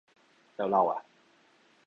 แล้วเราอะ